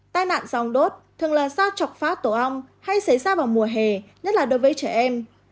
tai nạn do ong đốt thường là do chọc phá tổ ong hay xấy ra vào mùa hè nhất là đối với trẻ em